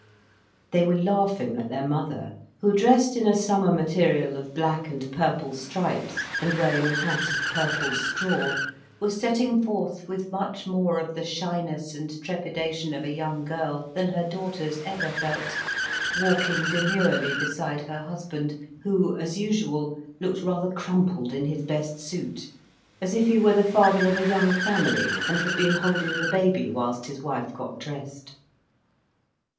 They were laughing at their mother, who, dressed in a summer material of black and purple stripes, and wearing a hat of purple straw, was setting forth with much more of the shyness and trepidation of a young girl than her daughters ever felt, walking demurely beside her husband, who, as usual, looked rather crumpled in his best suit, as if he were the father of a young family and had been holding the baby whilst his wife got dressed.